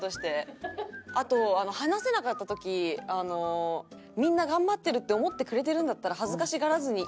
あと話せなかった時みんな頑張ってるって思ってくれてるんだったら。